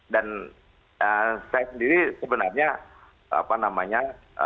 dan saya sendiri sebenarnya apa namanya